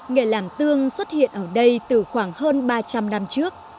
nghề làm tương xuất hiện ở đây từ khoảng hơn ba trăm linh năm trước